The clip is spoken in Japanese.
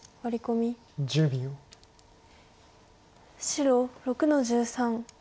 白６の十三。